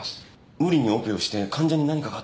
無理にオペをして患者に何かがあったら。